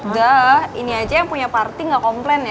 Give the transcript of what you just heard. udah ini aja yang punya party ga komplain ya